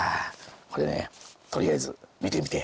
これねとりあえず見てみてよ。